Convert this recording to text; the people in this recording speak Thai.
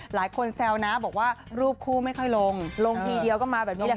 หลายคนแซวนะบอกว่ารูปคู่ไม่ค่อยลงลงทีเดียวก็มาแบบนี้ครับ